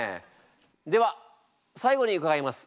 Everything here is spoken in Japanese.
では最後に伺います。